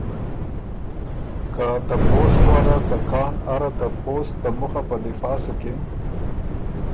که ته پوسټ واله که کان اره ته پوسټ ته مُخه په دفاع سُکِن